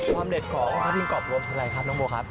ความเด็ดของพะพิ้งกรอบอร่วมเป็นอะไรครับน้องโบครับ